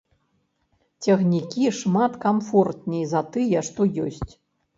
Цягнікі шмат камфортней за тыя, што ёсць.